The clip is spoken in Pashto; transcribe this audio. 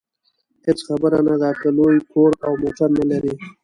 هېڅ خبره نه ده که لوی کور او موټر نلرئ.